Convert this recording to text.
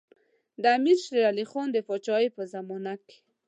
د امیر شېر علي خان د پاچاهۍ په زمانه کې.